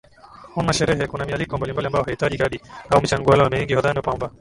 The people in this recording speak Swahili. huna sherehe kuna mialiko mbalimbali ambao haihitaji kadi au michangoIngawa wengi hudhani kwamba